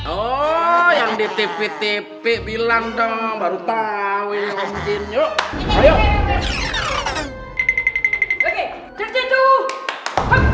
oh yang di tv tv bilang dong baru tahu mungkin yuk